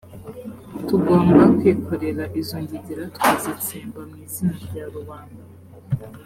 tugomba kwikorera izo ngegera tukazitsemba mu izina rya rubanda